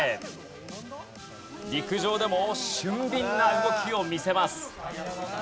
陸上でも俊敏な動きを見せます。